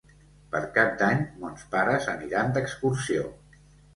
Per Cap d'Any mons pares aniran d'excursió.